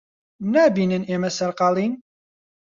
نابینن ئێمە سەرقاڵین؟